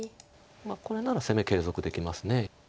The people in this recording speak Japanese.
まあこれなら攻め継続できます。